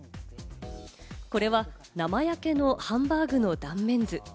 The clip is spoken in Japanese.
これは生焼けのハンバーグの断面図。